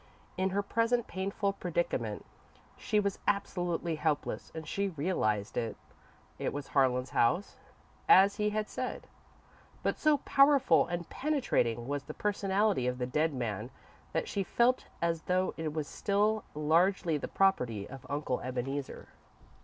In her present painful predicament, she was absolutely helpless, and she realised it. It was Harlan's house, as he had said, but so powerful and penetrating was the personality of the dead man that she felt as though it was still largely the property of Uncle Ebeneezer.